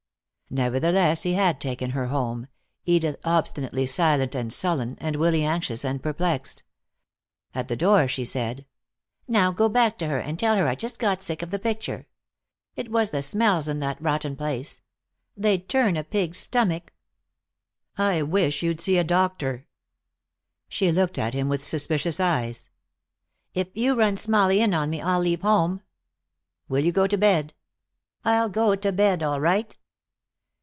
Nevertheless he had taken her home, Edith obstinately silent and sullen, and Willy anxious and perplexed. At the door she said: "Now go back to her, and tell her I just got sick of the picture. It was the smells in that rotten place. They'd turn a pig's stomach." "I wish you'd see a doctor." She looked at him with suspicious eyes. "If you run Smalley in on me I'll leave home." "Will you go to bed?" "I'll go to bed, all right."